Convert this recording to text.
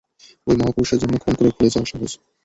ওই মহাপুরুষের জন্য খুন করে ভুলে যাওয়া সহজ।